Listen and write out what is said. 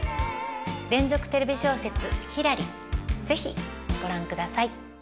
連続テレビ小説「ひらり」是非ご覧ください。